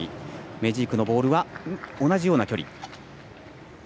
メジークのボールは杉村と同じような距離。